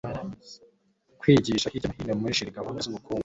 Kwigisha hirya no hino muri Chili gahunda zubukungu